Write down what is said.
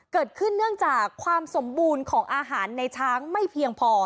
เนื่องจากความสมบูรณ์ของอาหารในช้างไม่เพียงพอ